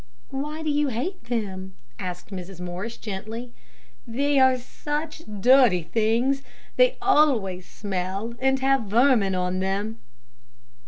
"Why do you hate them?" asked Mrs. Morris, gently. "They are such dirty things; they always smell and have vermin on them."